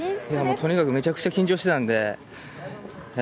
とにかくめちゃくちゃ緊張してたので。